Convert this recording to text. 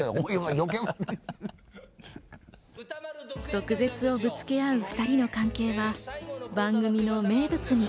毒舌をぶつけ合う２人の関係は、番組の名物に。